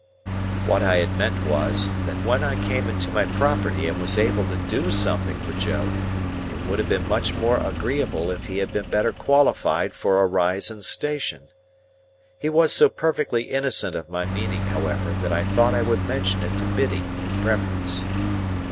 What I had meant was, that when I came into my property and was able to do something for Joe, it would have been much more agreeable if he had been better qualified for a rise in station. He was so perfectly innocent of my meaning, however, that I thought I would mention it to Biddy in preference.